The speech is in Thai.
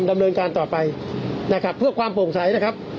ดำเนินการต่อไปนะครับเพื่อความโปร่งใสนะครับ